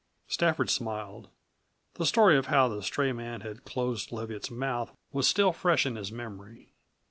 Stafford smiled. The story of how the stray man had closed Leviatt's mouth was still fresh in his memory.